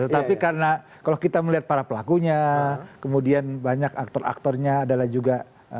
tetapi karena kalau kita melihat para pelakunya kemudian banyak aktor aktornya adalah juga